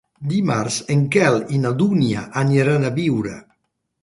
Dimarts en Quel i na Dúnia aniran a Biure.